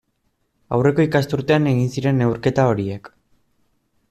Aurreko ikasturtean egin ziren neurketa horiek.